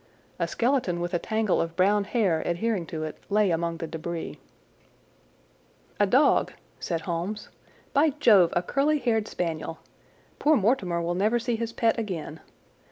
A skeleton with a tangle of brown hair adhering to it lay among the débris. "A dog!" said Holmes. "By Jove, a curly haired spaniel. Poor Mortimer will never see his pet again.